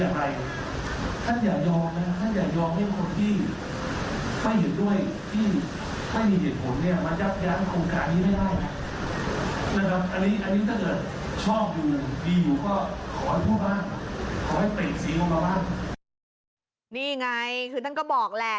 ขอให้เปลี่ยนสีมองกลางนี่ไงคือนั่งก็บอกแหละ